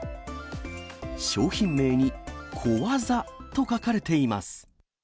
商品名に小技と書かれています。